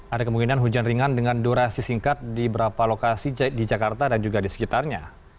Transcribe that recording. ada kemungkinan hujan ringan dengan durasi singkat di beberapa lokasi di jakarta dan juga di sekitarnya